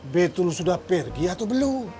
betul sudah pergi atau belum